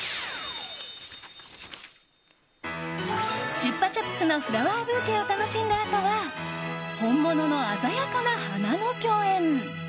チュッパチャプスのフラワーブーケを楽しんだあとは本物の鮮やかな花の供宴。